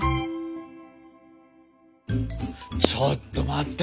ちょっと待ってよ